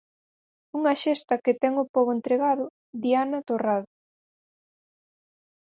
Unha xesta que ten o pobo entregado, Diana Torrado.